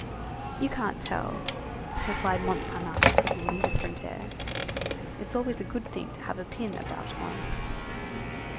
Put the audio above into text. "You can't tell," replied Montparnasse with an indifferent air. "It's always a good thing to have a pin about one."